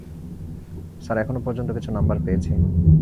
Sir এখনও পর্যন্ত কিছু নাম্বার পেয়েছি।